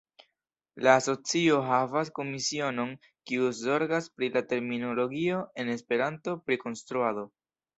La asocio havas komisionon kiu zorgas pri la terminologio en Esperanto pri konstruado.